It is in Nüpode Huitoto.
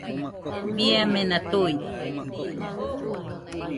Bie amena tuide